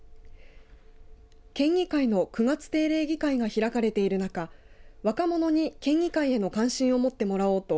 県議会の９月定例議会が開かれている中若者に県議会への関心を持ってもらおうと